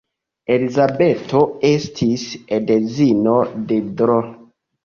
Elizabeto estis edzino de Dro.